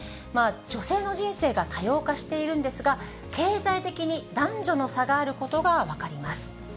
女性の人生が多様化しているんですが、経済的に男女の差があることが分かります。